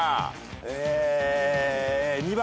え２番。